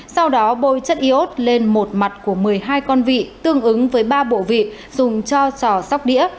sau đó bôi chất iốt lên một mặt của một mươi hai con vị tương ứng với ba bộ vị dùng cho trò sóc đĩa